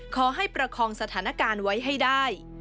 ขอให้ประคองสถานการณ์ไว้ให้ได้